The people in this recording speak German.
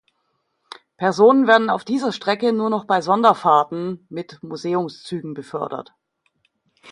Personen werden auf dieser Strecke nur noch bei Sonderfahrten mit Museumszügen befördert.